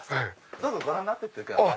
どうぞご覧になっててください。